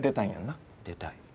出たい。